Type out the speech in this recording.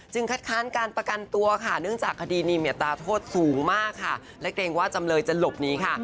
คัดค้านการประกันตัวค่ะเนื่องจากคดีนี้มีอัตราโทษสูงมากค่ะและเกรงว่าจำเลยจะหลบหนีค่ะ